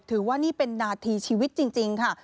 ว่านี่เป็นนาทีชีวิตจริงค่ะ